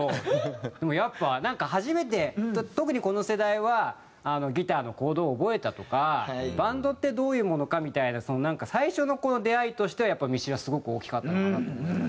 でもやっぱなんか初めて特にこの世代はギターのコードを覚えたとかバンドってどういうものかみたいな最初の出会いとしてはミスチルはすごく大きかったのかなと。